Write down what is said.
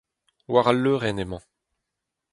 War al leurenn emañ.